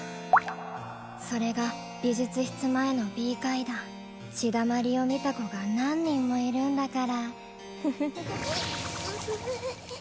それが美術室前のＢ階段血だまりを見た子が何人もいるんだからフフフフううふふふふ